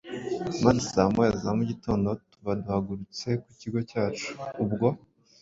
maze saa moya za mu gitondo tuba duhagurutse ku kigo cyacu. Ubwo